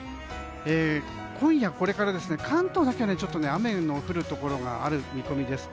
今夜これから関東だけは雨の降るところがある見込みです。